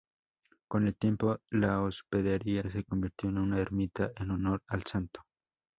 Con el tiempo la hospedería se convirtió en una ermita en honor al Santo.